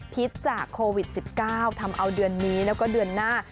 พิษจากโควิด๑๙ทำเอาเดือนนี้แล้วก็เดือนหน้า